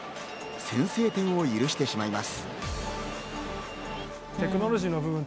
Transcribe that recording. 先制点を許してしまいます。